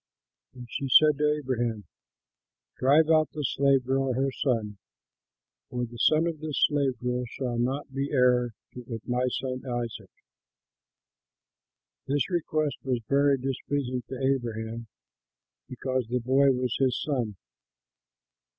And she said to Abraham, "Drive out this slave girl and her son, for the son of this slave girl shall not be heir with my son Isaac." This request was very displeasing to Abraham because the boy was his son.